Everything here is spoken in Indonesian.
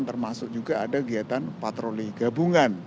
termasuk juga ada kegiatan patroli gabungan